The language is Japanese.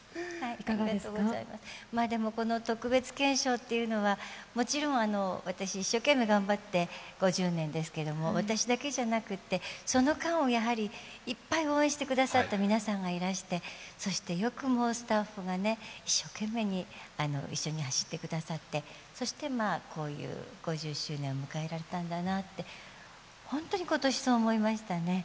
この特別顕彰というのはもちろん私、一生懸命頑張って５０年ですけれども私だけじゃなくて、その間を、やはりいっぱい応援してくださった皆さんがいらして、そしてスタッフが一生懸命が一緒に走ってくださって、こういう５０周年を迎えられたんだなって、本当に今年そう思いましたね。